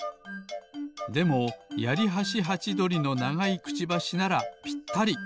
でもヤリハシハチドリのながいくちばしならぴったり！